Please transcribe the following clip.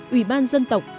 ủy ban dân tộc